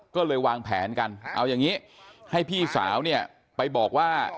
ก็เลยวางแผนกันเอาอย่างนี้ให้พี่สาวเนี่ยไปบอกว่า